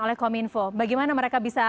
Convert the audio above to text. oleh kominfo bagaimana mereka bisa